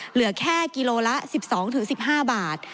เหลือแค่กิโลละ๑๒๑๕บาท